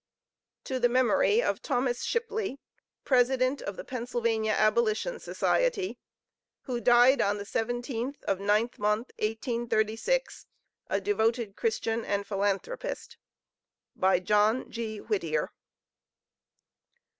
To the Memory of THOMAS SHIPLEY, President of the Pennsylvania Abolition Society, Who died on the 17th of Ninth mo., 1836, a devoted Christian and Philanthropist. BY JOHN G. WHITTIER.